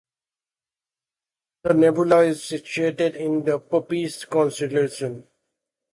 The nebula is situated in the Puppis constellation.